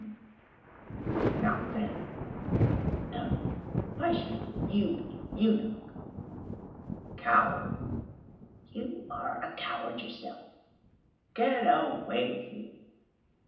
"Knock, then." "No, why should I? You begin, you knock!" "Coward!" "You are a coward yourself!" "G et a way with you!"